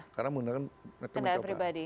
karena menggunakan kendaraan pribadi